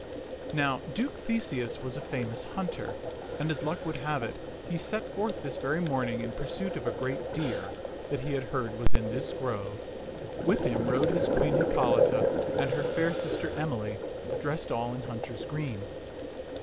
Now Duke Theseus was a famous hunter, and as luck would have it, he set forth this very morning in pur suit of a great deer that he had heard was in this grove. With him rode his Queen Hippolita and her fair sister Emily, dressed all in hunter's green.